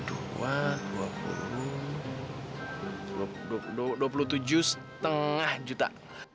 dua puluh tujuh lima juta